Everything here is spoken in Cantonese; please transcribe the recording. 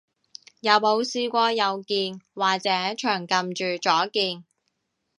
有冇試過右鍵，或者長撳住左鍵？